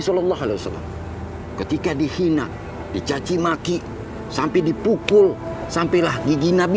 sholallahu alaihi wasallama ketika di hina dicacim akik sampai dipukul sampailah gigi nabi